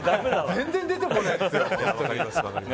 全然、出てこないですよ。